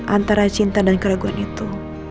antara cinta dan keraguan itu